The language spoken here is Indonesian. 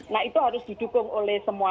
nah itu harus didukung oleh semua